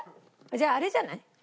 じゃああれじゃない？